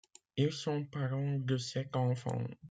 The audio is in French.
Ils sont parents de sept enfants.